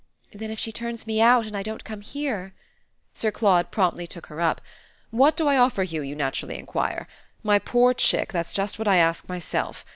"Then if she turns me out and I don't come here " Sir Claude promptly took her up. "What do I offer you, you naturally enquire? My poor chick, that's just what I ask myself.